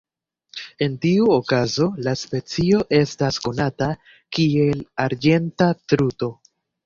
En tiu okazo la specio estas konata kiel "arĝenta truto".